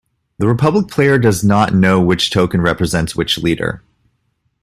The Republic player does not know which token represents which leader.